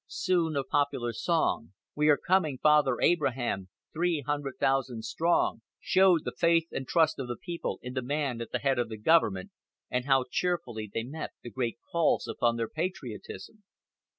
Soon a popular song, "We are coming, Father Abraham, three hundred thousand strong," showed the faith and trust of the people in the man at the head of the Government, and how cheerfully they met the great calls upon their patriotism.